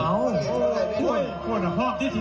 มาเอาตัวของผู้ชายคนนี้ลงจากเวทีนะครับ